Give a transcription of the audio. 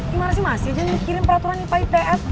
ini marah sih masih aja yang dikirim peraturan ipa itf